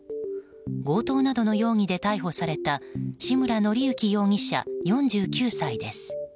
強盗などの容疑で逮捕された志村律之容疑者、４９歳です。